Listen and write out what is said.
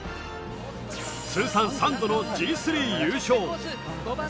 通算３度のＧ３優勝。